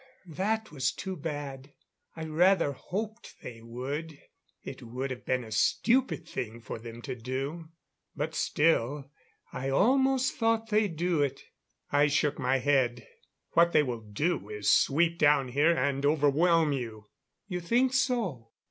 That was too bad. I rather hoped they would. It would have been a stupid thing for them to do but still, I almost thought they'd do it." I shook my head. "What they will do is sweep down here and overwhelm you." "You think so?"